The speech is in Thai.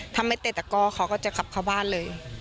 ถ้าไม่เตะตะก้อเขาก็จะกลับเข้าบ้านเลย